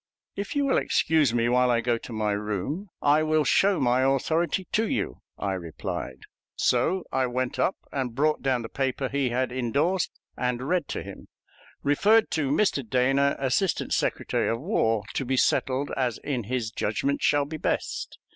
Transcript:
"If you will excuse me while I go to my room, I will show my authority to you," I replied. So I went up and brought down the paper he had indorsed, and read to him: "Referred to Mr. Dana, Assistant Secretary of War, to be settled as in his judgment shall be best."